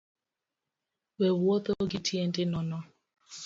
We wuotho gi tiendi nono